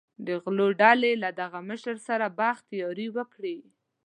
د غلو ډلې له دغه مشر سره بخت یاري وکړي.